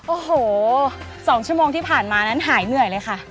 โอ้โห๒ชั่วโมงที่ผ่านมานั้นหายเหนื่อยเลยค่ะ